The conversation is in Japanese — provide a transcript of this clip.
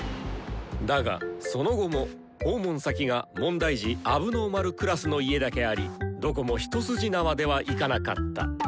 だがその後も訪問先が問題児問題児クラスの家だけありどこも一筋縄ではいかなかった。